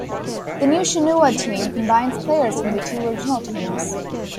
The new Shenhua team combines players from the two original teams.